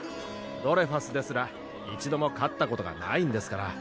ドレファスですら一度も勝ったことがないんですから。